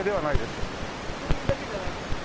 風鈴だけじゃないですよ。